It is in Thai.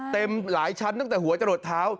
เต็มหลายชั้นตั้งแต่หัวจะหลดเท้า